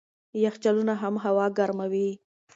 یخچالونه هم هوا ګرموي.